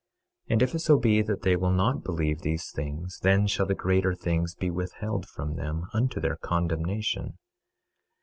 26:10 And if it so be that they will not believe these things, then shall the greater things be withheld from them, unto their condemnation.